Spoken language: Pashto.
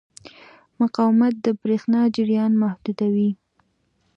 مقاومت د برېښنا جریان محدودوي.